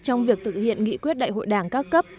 trong việc thực hiện nghị quyết đại hội đảng các cấp